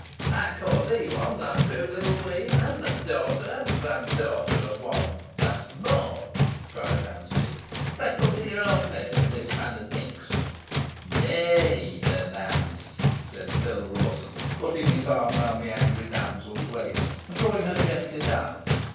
"Ey ca' thee one, theaw feaw little whean an the dowter an grandowter o' one an that's more," cried Nancy. "Freckles i' your own feace, ye mismannert minx." "Ne'er heed her, Nance," said Phil Rawson, putting his arm round the angry damsel's waist, and drawing her gently down.